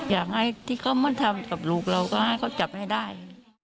อยากให้ที่เขามาทำกับลูกเราก็ให้เขาจับให้ได้